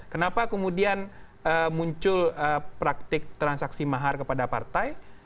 kenapa kemudian muncul praktik transaksi mahar kepada partai